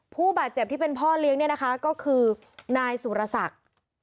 ผู้บาดเจ็บที่เป็นพ่อเลี้ยงเนี่ยนะคะก็คือนายสุรศักดิ์